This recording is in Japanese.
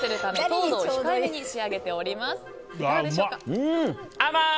いかがでしょうか？